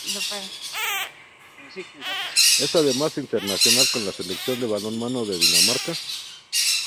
Es además internacional con la Selección de balonmano de Dinamarca.